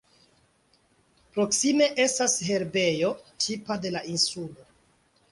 Proksime estas herbejo, tipa de la insulo.